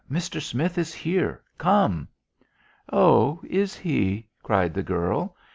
Mister Smith is here! Come!" "Oh, is he?" cried the girl.